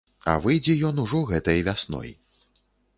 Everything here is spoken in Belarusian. А выйдзе ён ужо гэтай вясной.